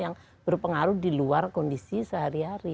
yang berpengaruh di luar kondisi sehari hari